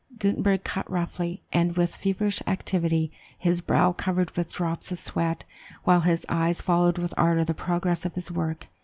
Gutenberg cut roughly and with feverish activity, his brow covered with drops of sweat, while his eyes followed with ardor the progress of his work.